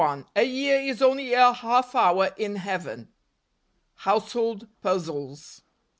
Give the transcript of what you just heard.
A year is only a half honr in Heaven. Household Puzzles.